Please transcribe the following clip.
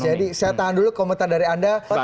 mas jayadi saya tahan dulu komentar dari anda